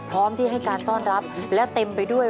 พร้อมที่ให้การต้อนรับและเต็มไปด้วย